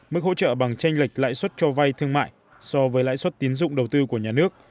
mức hỗ trợ bằng tranh lệch lãi suất cho vay thương mại so với lãi suất tiến dụng đầu tư của nhà nước